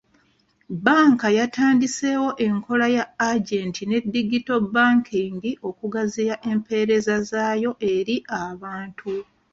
Bbanka yatandiseewo enkola ya agenti ne digito banking okugaziya empereza zaayo eri abantu .